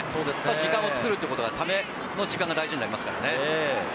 時間を作る、タメの時間が大事になりますからね。